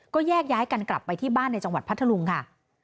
ก็แยกย้ายกันกลับไปที่บ้านในจังหวัดพัทธลุงค่ะ